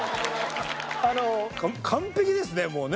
完璧ですねもうね。